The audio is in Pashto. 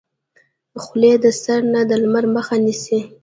خولۍ د سر نه د لمر مخه نیسي.